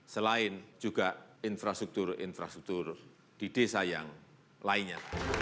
selain juga infrastruktur infrastruktur di desa yang lainnya